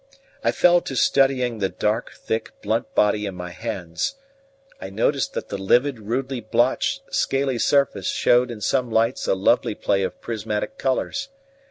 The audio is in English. I fell to studying the dark, thick, blunt body in my hands; I noticed that the livid, rudely blotched, scaly surface showed in some lights a lovely play of prismatic colours.